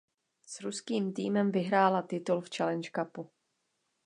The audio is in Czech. S ruským týmem vyhrála titul v Challenge cupu.